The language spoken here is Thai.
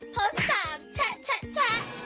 โพสต์สามแช๊ะแช๊ะแช๊ะ